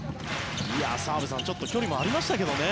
澤部さん、ちょっと距離もありましたけどね。